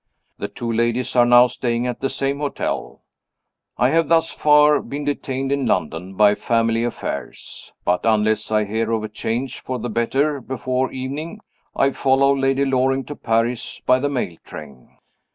The two ladies are now staying at the same hotel. I have thus far been detained in London by family affairs. But, unless I hear of a change for the better before evening, I follow Lady Loring to Paris by the mail train."